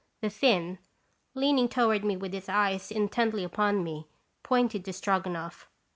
The Finn, leaning toward me with his eyes intently upon me, pointed to Stroganoff.